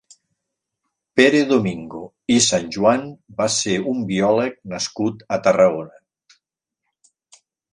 Pere Domingo i Sanjuán va ser un biòleg nascut a Tarragona.